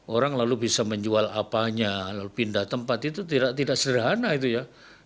orang lalu bisa menjual apanya lalu pindah tempat itu tidak sederhana itu ya